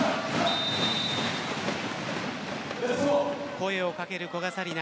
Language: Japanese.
声を掛ける古賀紗理那